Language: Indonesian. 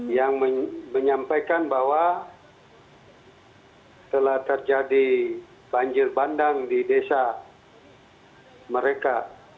yang menyampaikan bahwa telah terjadi banjir bandang di desa mereka